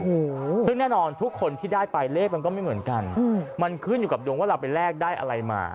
โอ้โหซึ่งแน่นอนทุกคนที่ได้ไปเลขมันก็ไม่เหมือนกันมันขึ้นอยู่กับดวงว่าเราไปแลกได้อะไรมา